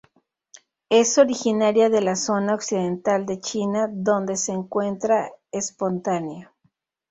Es originaria de la zona occidental de China donde se encuentra espontánea.